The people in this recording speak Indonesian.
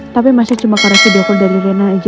tapi masih cuma karakter doktor dari rena aja